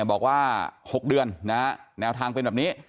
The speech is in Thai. บอกว่า๖เดือนแนวทางเป็นแบบนี้